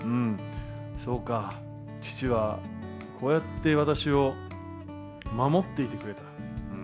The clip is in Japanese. そうか、父はこうやって私を守っていてくれた。